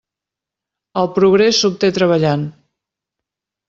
El progrés s'obté treballant.